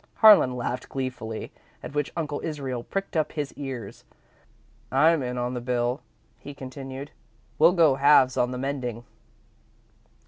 Harlan laughed gleefully, at which Uncle Israel pricked up his ears. "I'm in on the bill," he continued; "we'll go halves on the mending."